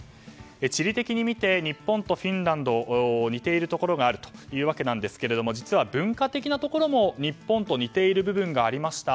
地理的に見て日本とフィンランドは似ているところがあるわけですが実は、文化的なところも日本と似ている部分がありました。